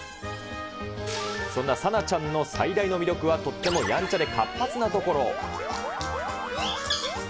そんなサナちゃんの最大の魅力は、とってもやんちゃで活発なところ。